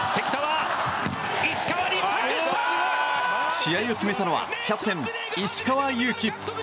試合を決めたのはキャプテン石川祐希。